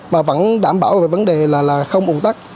mà vẫn đảm bảo về vấn đề là không ủng tắc